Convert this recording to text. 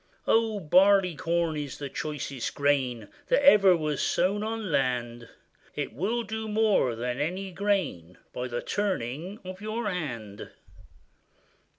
O! Barleycorn is the choicest grain That ever was sown on land; It will do more than any grain, By the turning of your hand.